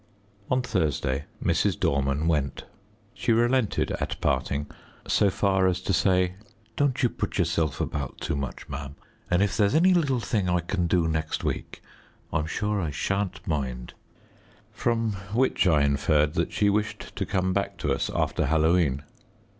On Thursday Mrs. Dorman went. She relented, at parting, so far as to say "Don't you put yourself about too much, ma'am, and if there's any little thing I can do next week, I'm sure I shan't mind." From which I inferred that she wished to come back to us after Halloween.